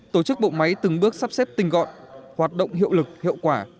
tổ chức bộ máy từng bước sắp xếp tinh gọn hoạt động hiệu lực hiệu quả